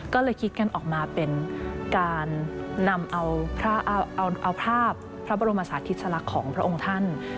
ก็เลยคิดกันออกมาเป็นการนำเอาภาพพระบรมศาสติสลักษณ์ของพระองค์ท่าน